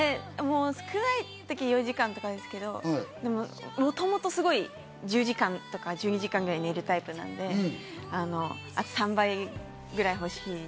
少ないときは４時間とかなんですけど、もともとすごい１０時間とか、１２時間ぐらい寝るタイプなのであと３倍ぐらい欲しい。